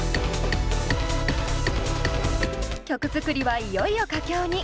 曲作りはいよいよ佳境に。